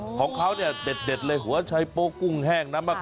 ของเขาเนี่ยเด็ดเลยหัวชัยโป๊กกุ้งแห้งน้ำมะขา